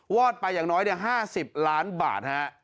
อดไปอย่างน้อย๕๐ล้านบาทฮะ